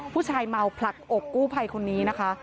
ผู้ชายเมาผลักอกกู้ภัยคนนี้นะคะ